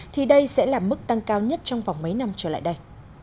thì đây sẽ là mức tăng cao nhất trong vòng mấy năm trở lại đây